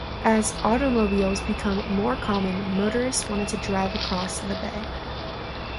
As automobiles became more common, motorists wanted to "drive across the bay".